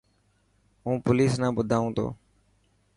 هون پوليس نا ٻڌائون تو.